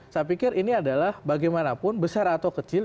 saya pikir ini adalah bagaimanapun besar atau kecil